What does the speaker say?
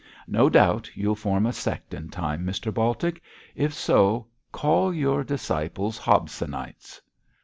No doubt you'll form a sect in time, Mr Baltic. If so, call your disciples Hobsonites.'